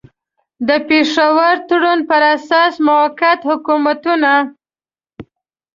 د پېښور تړون پر اساس موقت حکومتونه.